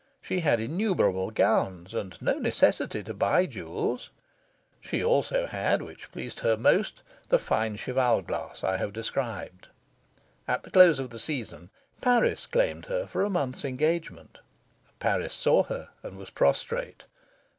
She had innumerable gowns and no necessity to buy jewels; and she also had, which pleased her most, the fine cheval glass I have described. At the close of the Season, Paris claimed her for a month's engagement. Paris saw her and was prostrate.